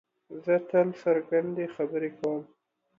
زه تل څرګندې خبرې کوم.